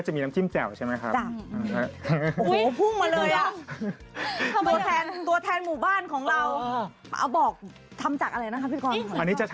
ใช่แต่ว่ากินทีละนิดเกรงใจแต่ไปมันก็ไม่งาม